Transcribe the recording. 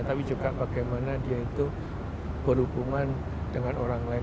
tapi juga bagaimana dia itu berhubungan dengan orang lain